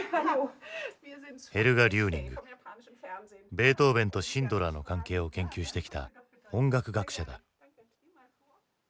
ベートーヴェンとシンドラーの関係を研究してきた音楽学者だ。